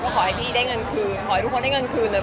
ขอให้พี่ได้เงินคืนขอให้ทุกคนได้เงินคืนเลย